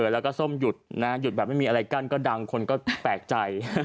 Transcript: แล้วก็ส้มหยุดนะหยุดแบบไม่มีอะไรกั้นก็ดังคนก็แปลกใจ